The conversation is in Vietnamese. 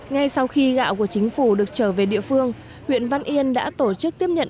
ngay sau khi gạo của chính phủ được trở về địa phương huyện văn yên đã tổ chức tiếp nhận